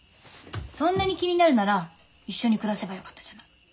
そんなに気になるなら一緒に暮らせばよかったじゃない。